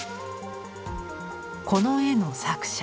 この絵の作者。